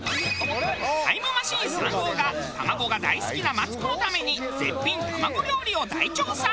タイムマシーン３号が卵が大好きなマツコのために絶品卵料理を大調査！